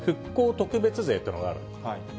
特別税っていうのがあるんです。